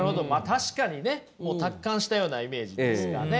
確かにねもう達観したようなイメージですかね。